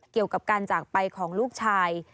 เกี่ยวกับการจากไปของลูกชาย